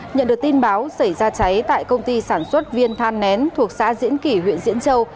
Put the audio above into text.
nhận được tin báo xảy ra cháy tại công ty sản xuất viên than nén thuộc xã diễn kỷ huyện diễn châu